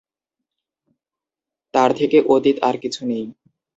তাঁর থেকে অতীত আর কিছু নেই।